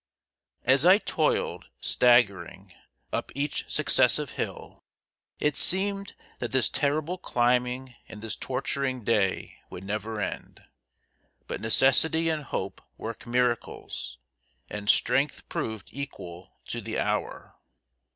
As I toiled, staggering, up each successive hill, it seemed that this terrible climbing and this torturing day would never end. But Necessity and Hope work miracles, and strength proved equal to the hour.